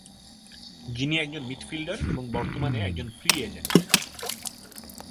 যিনি একজন মিডফিল্ডার এবং বর্তমানে একজন ফ্রি এজেন্ট।